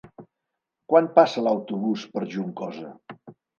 Quan passa l'autobús per Juncosa?